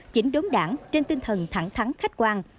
chỉnh đốn đảng trên tinh thần thẳng thắng khách quan